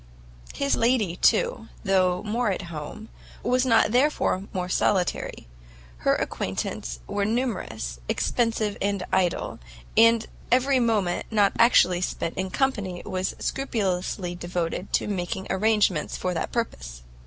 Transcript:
His lady, too, though more at home, was not therefore more solitary; her acquaintance were numerous, expensive and idle, and every moment not actually spent in company, was scrupulously devoted to making arrangements for that purpose.